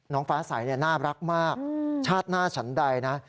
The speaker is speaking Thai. น้องฟ้าสายน่ารักมากชาติหน้าฉันใดนะ